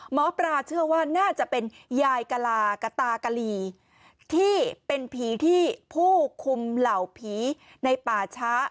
หมอปลาเชื่อว่าน่าจะเป็นยายกะลากะตากะลีที่เป็นผีที่ผู้คุมเหล่าผีในป่าช้า